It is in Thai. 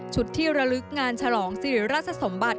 ที่ระลึกงานฉลองสิริราชสมบัติ